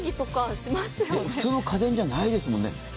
普通の家電じゃないですもんね。